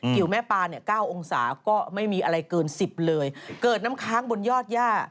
แม่ปลาเนี่ยเก้าองศาก็ไม่มีอะไรเกินสิบเลยเกิดน้ำค้างบนยอดย่า